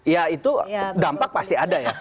ya itu dampak pasti ada ya